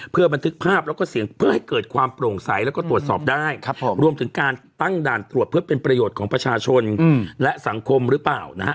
เพื่อบันทึกภาพแล้วก็เสียงเพื่อให้เกิดความโปร่งใสแล้วก็ตรวจสอบได้รวมถึงการตั้งด่านตรวจเพื่อเป็นประโยชน์ของประชาชนและสังคมหรือเปล่านะฮะ